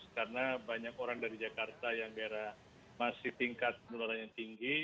karena banyak orang dari jakarta yang daerah masih tingkat penurunannya tinggi